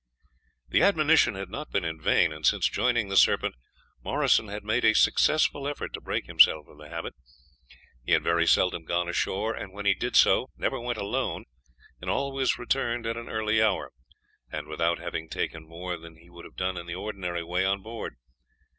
The admonition had not been in vain, and since joining the Serpent Morrison had made a successful effort to break himself of the habit. He had very seldom gone ashore, and when he did so, never went alone, and always returned at an early hour, and without having taken more than he would have done in the ordinary way on board.